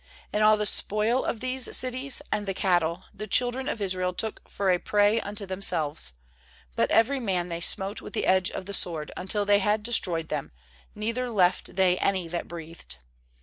14And all the spoil of these cities, and the cattle, the children of Israel took for a prey unto them selves; but every man they smote with the edge of the sword, until they had destroyed them, neither left they any that breathed.